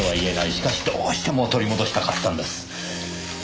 しかしどうしても取り戻したかったんです。